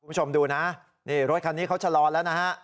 คุณผู้ชมดูนะนี่รถคันนี้เขาชะลอแล้วนะฮะ